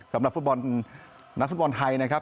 สำหรับฟุตบอลนักฟุตบอลไทยนะครับ